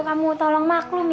kamu tolong maklum ya